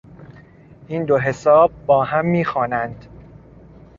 این دو حساب با هم میخوانند.